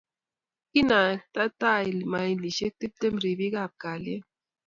Kinakta tai mailishek tiptem ribik ab kalyet